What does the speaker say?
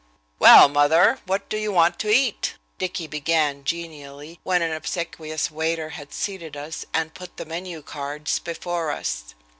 "Well, mother, what do you want to eat?" Dicky began genially, when an obsequious waiter had seated us and put the menu cards before us.